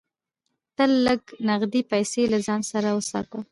تل لږ نغدې پیسې له ځان سره وساته.